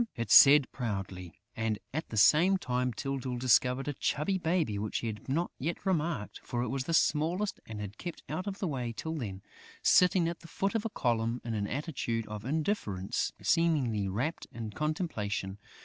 it said proudly. And, at the same time, Tyltyl discovered a chubby baby which he had not yet remarked, for it was the smallest and had kept out of the way till then, sitting at the foot of a column in an attitude of indifference, seemingly rapt in contemplation.